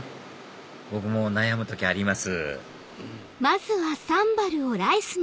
僕も悩む時あります